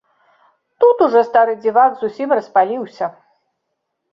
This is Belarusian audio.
Тут ужо стары дзівак зусім распаліўся.